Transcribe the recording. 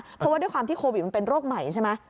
เพราะว่าด้วยความที่โควิดมันเป็นโรคใหม่ใช่ไหม